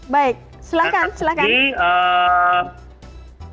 baik silakan silakan